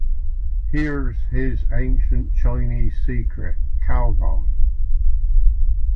"Here's" his "Ancient Chinese Secret" - Calgon!